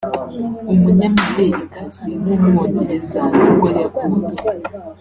umunyamidelikazi w’umwongereza ni bwo yavutse